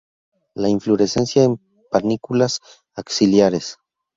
La inflorescencia en panículas axilares.